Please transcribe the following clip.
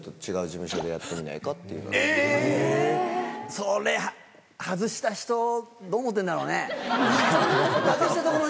それ外した人どう思ってるんだろうね？